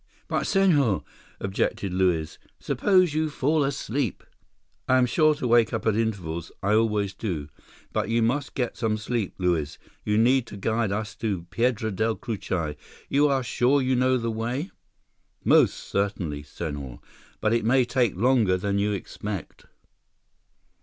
"But, Senhor," objected Luiz. "Suppose you fall asleep—" "I am sure to wake up at intervals. I always do. But you must get some sleep, Luiz. We need you to guide us to Piedra Del Cucuy. You are sure you know the way?" "Most certainly, Senhor. But it may take longer than you expect."